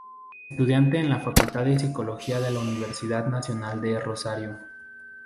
Estudiante en la Facultad de Psicología de la Universidad Nacional de Rosario.